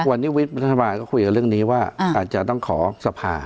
วันนี้วิทย์ประชามาติก็คุยกันเรื่องนี้ว่าอาจจะต้องขอสภา